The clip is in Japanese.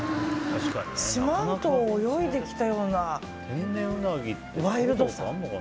四万十を泳いできたようなワイルドさ。